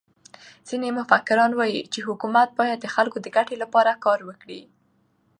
ځيني مفکران وايي، چي حکومت باید د خلکو د ګټي له پاره کار وکړي.